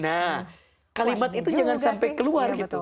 nah kalimat itu jangan sampai keluar gitu